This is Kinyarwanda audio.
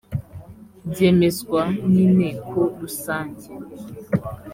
byemezwa n inteko rusange